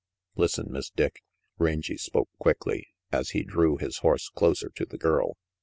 "Listen, Miss Dick," Rangy spoke quickly, as he drew his horse closer to the girl.